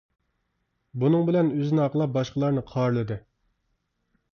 بۇنىڭ بىلەن ئۆزىنى ئاقلاپ باشقىلارنى قارىلىدى.